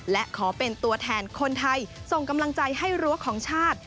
และขอเป็นตัวแทนคนไทยส่งกำลังใจให้รั้วของชาติ